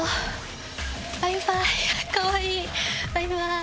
バイバイ。